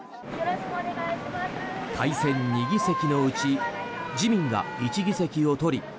改選２議席のうち自民が１議席を取り